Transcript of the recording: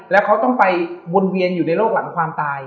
แล้วเขาต้องไปวนเวียนอยู่ในโลกหลังความตาย